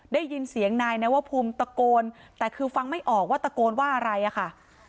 ได้ยินเสียงนายนวภูมิตะโกนแต่คือฟังไม่ออกว่าตะโกนว่าอะไรอะค่ะ